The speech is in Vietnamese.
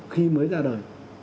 khi mới ra đời